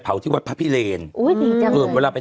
เผาสุดไหนดี